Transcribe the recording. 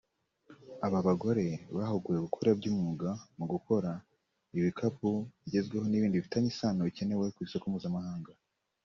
Aba bagore bahuguwe gukora by’umwuga mu gukora ibikapu bigezweho n’ibindi bifitanye isano bikenewe ku isoko mpuzamahanga